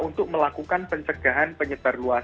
untuk melakukan pencegahan penyebar